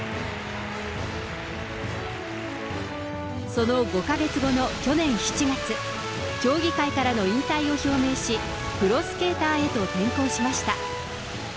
その５か月後の去年７月、競技会からの引退を表明し、プロスケーターへと転向しました。